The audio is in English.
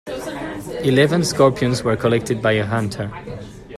Eleven scorpions were collected by a hunter.